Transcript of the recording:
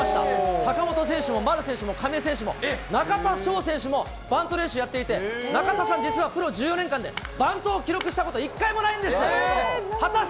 坂本選手も丸選手も亀井選手も、中田翔選手も、バント練習やっていて、中田さん、実はプロ１４年間でバントを記録したことは１回もないんです。